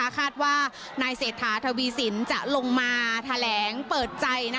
คาดว่านายเศรษฐาทวีสินจะลงมาแถลงเปิดใจ